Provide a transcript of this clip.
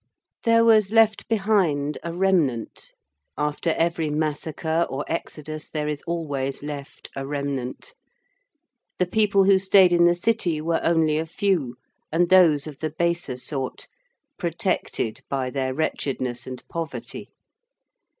There was left behind a remnant after every massacre or exodus there is always left a remnant. The people who stayed in the City were only a few and those of the baser sort, protected by their wretchedness and poverty.